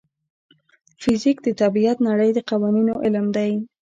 فزیک د طبیعي نړۍ د قوانینو علم دی.